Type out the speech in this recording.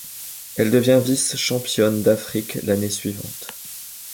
Elle devient vice-championne d'Afrique l'année suivante.